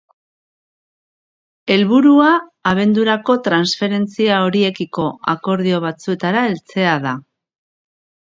Helburua abendurako tranferentzia horiekiko akordio batzuetara heltzea da.